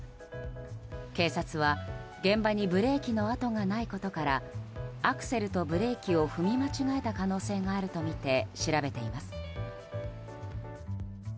警察は、現場にブレーキの痕がないことからアクセルとブレーキを踏み間違えた可能性があるとみて調べています。